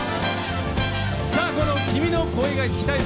この「君の声が聴きたい」